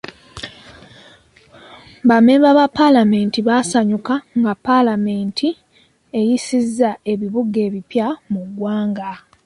Ba mmemba ba paalamenti baasanyuka nga paalamenti eyisizza ebibuga ebipya mu ggwanga .